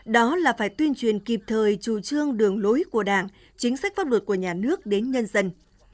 đó là phải tuyên truyền kịp thời chủ trương đường lối của đảng chính sách pháp luật của nhà nước đến nhân dân